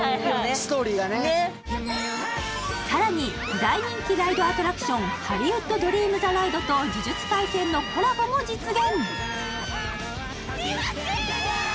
ストーリーがねさらに大人気ライドアトラクションハリウッド・ドリーム・ザ・ライドと「呪術廻戦」のコラボも実現！